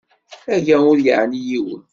Aya ur yeɛni yiwen.